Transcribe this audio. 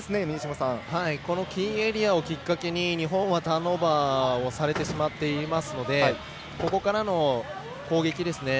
キーエリアをきっかけに日本はターンオーバーをされてしまっていますのでここからの攻撃ですね。